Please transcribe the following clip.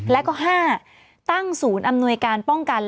แล้วก็๕ตั้งศูนย์อำนวยการป้องกัน